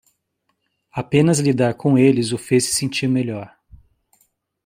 Apenas lidar com eles o fez se sentir melhor.